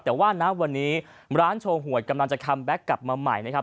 แต่ว่าณวันนี้ร้านโชว์หวยกำลังจะคัมแก๊กกลับมาใหม่นะครับ